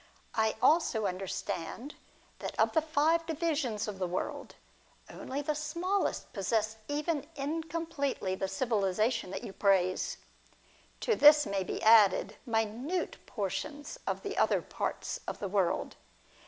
I also understand that of the five divisions of the world, only the smallest possesses even incompletely the civilisation that you praise. To this may be added minute portions of other parts of the world.